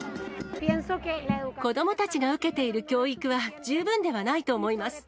子どもたちが受けている教育は十分ではないと思います。